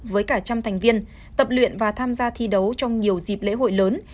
với cả trăm thành viên tập luyện và tham gia thi đấu trong nhiều dịp lễ hội lớn